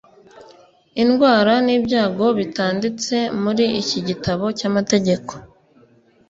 Indwara n’ibyago bitanditse muri iki gitabo cy’amategeko,